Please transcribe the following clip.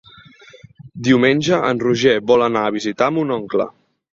Diumenge en Roger vol anar a visitar mon oncle.